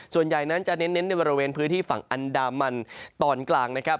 ส่วนใหญ่นั้นจะเน้นในบริเวณพื้นที่ฝั่งอันดามันตอนกลางนะครับ